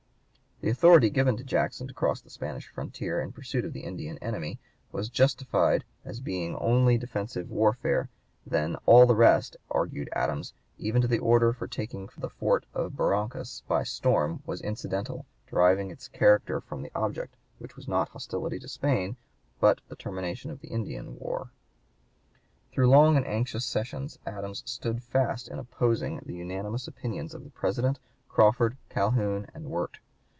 The authority given to Jackson to (p. 161) cross the Spanish frontier in pursuit of the Indian enemy was justified as being only defensive warfare; then "all the rest," argued Adams, "even to the order for taking the Fort of Barrancas by storm, was incidental, deriving its character from the object, which was not hostility to Spain, but the termination of the Indian war." Through long and anxious sessions Adams stood fast in opposing "the unanimous opinions" of the President, Crawford, Calhoun, and Wirt.